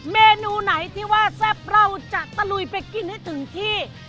เมนูไหนที่ว่าแซ่บเราจะตะลุยไปกินให้ถึงที่